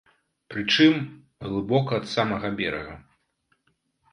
Прычым, глыбока ад самага берага.